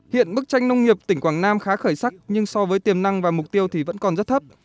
hiện bức tranh nông nghiệp tỉnh quảng nam khá khởi sắc nhưng so với tiềm năng và mục tiêu thì vẫn còn rất thấp